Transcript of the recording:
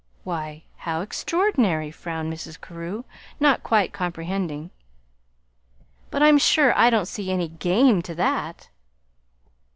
'" "Why, how extraordinary!" frowned Mrs. Carew, not quite comprehending. "But, I'm sure I don't see any GAME to that."